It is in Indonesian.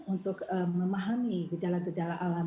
untuk memahami gejala gejala alam